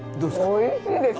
おいしいです！